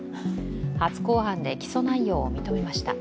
初公判で起訴内容を認めました。